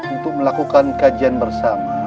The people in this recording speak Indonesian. untuk melakukan kajian bersama